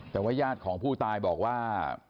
แต่ว่าญาติของผู้ตายบอกว่า